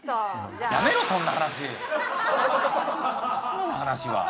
今の話は。